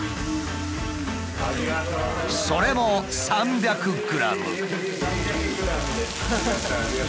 それも３００ｇ！